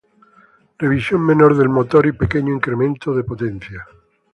Revisión menor del motor y pequeño incremento de potencia.